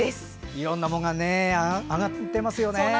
いろんなものが上がってますよね。